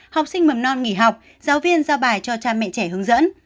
học sinh mầm non nghỉ học giáo viên giao bài cho cha mẹ trẻ hướng dẫn